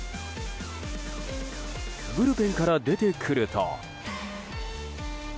ブルペンから出てくると。